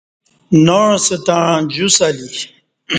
ناعس تݩع جُس الی